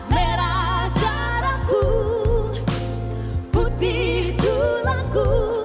merah darahku putih tulangku